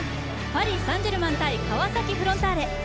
パリ・サン＝ジェルマン×川崎フロンターレ。